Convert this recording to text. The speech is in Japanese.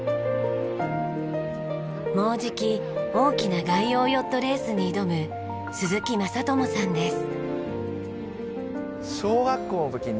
もうじき大きな外洋ヨットレースに挑む鈴木晶友さんです。